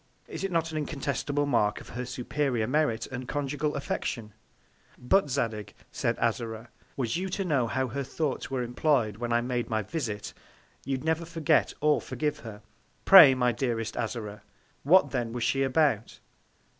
Is it not an incontestable Mark of her superior Merit and Conjugal Affection? But, Zadig, said Azora, was you to know how her Thoughts were employ'd when I made my Visit, you'd never forget or forgive her. Pray, my dearest Azora, what then was she about?